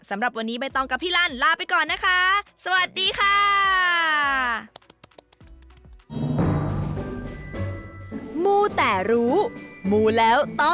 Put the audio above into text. สำหรับวันนี้ใบตองกับพี่ลันลาไปก่อนนะคะสวัสดีค่ะ